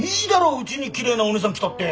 うちにきれいなおねえさん来たって！